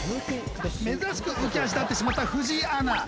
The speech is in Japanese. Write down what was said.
珍しく浮足立ってしまった藤井アナ。